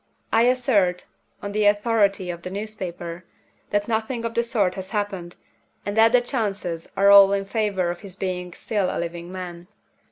I assert, on the authority of the newspaper, that nothing of the sort has happened, and that the chances are all in favor of his being still a living man.